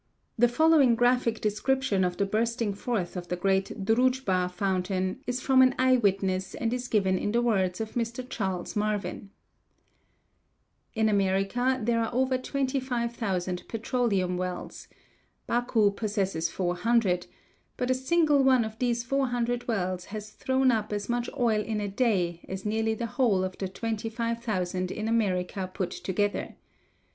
The following graphic description of the bursting forth of the great Droojba fountain is from an eyewitness and is given in the words of Mr. Charles Marvin: "In America there are over 25,000 petroleum wells; Baku possesses 400, but a single one of these 400 wells has thrown up as much oil in a day as nearly the whole of the 25,000 in America put together.